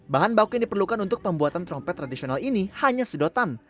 bahan baku yang diperlukan untuk pembuatan trompet tradisional ini hanya sedotan